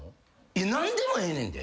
何でもええねんで。